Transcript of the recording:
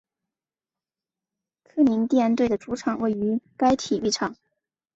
科林蒂安队的主场位于该体育场。